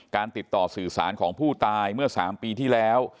ติดต่อสื่อสารของผู้ตายเมื่อ๓ปีที่แล้ว